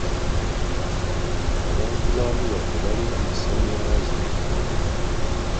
Abantu ba Arua tebalina masannyalaze gamala.